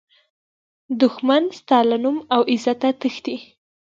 دښمن ستا له نوم او عزته تښتي